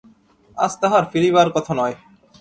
আজ তাহার ফিরিবার কথা নয়।